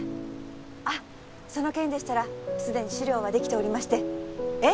あっその件でしたら既に資料は出来ておりましてええ